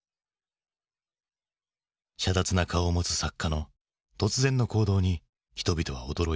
しゃだつな顔を持つ作家の突然の行動に人々は驚いた。